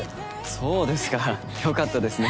そうですか良かったですね。